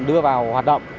đưa vào hoạt động